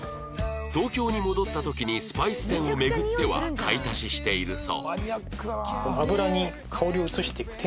東京に戻った時にスパイス店を巡っては買い足ししているそう